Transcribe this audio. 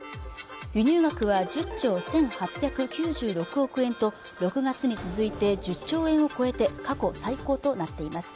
輸入額は１０兆１８９６億円と６月に続いて１０兆円を超えて過去最高となっています